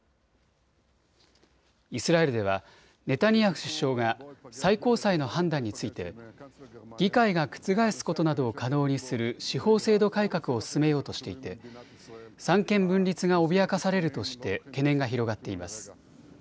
イスラエルではネタニヤフ首相が最高裁の判断について議会が覆すことなどを可能にする司法制度改革を進めようとしていて三権分立が脅かされるとして懸念が広がっています。